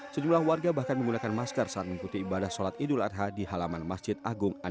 sejumlah warga bahkan menggunakan masker saat mengikuti ibadah sholat idul adha di halaman masjid agung